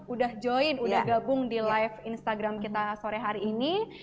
udah join udah gabung di live instagram kita sore hari ini